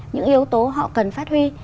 những yếu tố họ cần phát huy